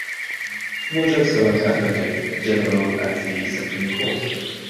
He was also an Advocate General at the Supreme Court.